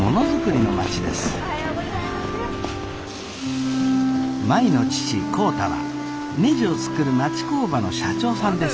舞の父浩太はねじを作る町工場の社長さんです。